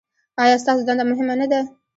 ایا ستاسو دنده مهمه نه ده؟